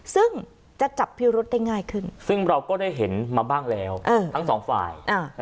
ซึ่งเราก็ได้เห็นมาบ้างแล้วทั้งสองฝ่าย